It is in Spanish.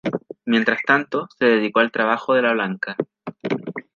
Mientras tanto, se dedicó al trabajo de la banca.